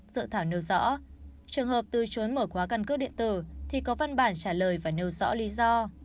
dự thảo nêu rõ trường hợp từ chối mở khóa căn cước điện tử thì có văn bản trả lời và nêu rõ lý do